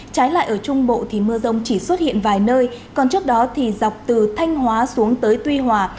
trái lại ở trung bộ thì mưa rông chỉ xuất hiện vài nơi còn trước đó thì dọc từ thanh hóa xuống tới tuy hòa